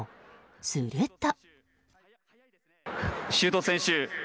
すると。